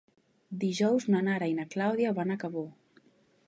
Dijous na Nara i na Clàudia van a Cabó.